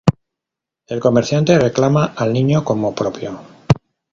El comerciante reclama al niño como propio.